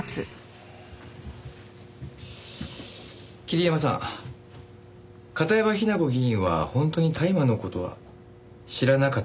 桐山さん片山雛子議員は本当に大麻の事は知らなかったんですよね？